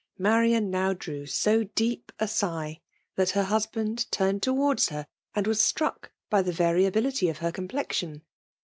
: Marian now drew so deep a^igh, that her husband turned towards her, and was struck •by ibe variability of her complexion.